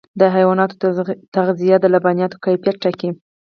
د حیواناتو تغذیه د لبنیاتو کیفیت ټاکي.